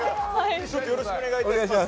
よろしくお願いします。